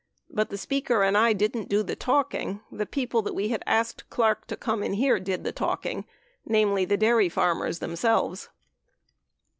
But the Speaker and I didn't do the talking. The people that we had asked Clark to come to hear did the talking. Namely, the dairy farmers them selves.